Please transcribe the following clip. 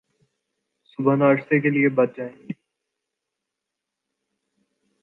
صبح ناشتے کے لئے بچ جائیں